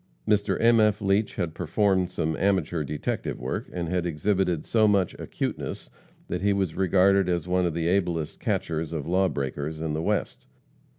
Mr. M. F. Leach had performed some amateur detective work, and had exhibited so much acuteness that he was regarded as one of the ablest catchers of lawbreakers in the West.